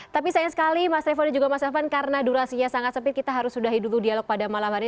tapi sayang sekali mas revo dan juga mas elvan karena durasinya sangat sempit kita harus sudahi dulu dialog pada malam hari ini